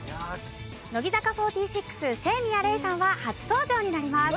乃木坂４６清宮レイさんは初登場になります。